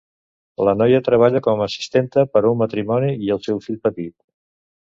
La noia treballa com a assistenta per a un matrimoni i el seu fill petit.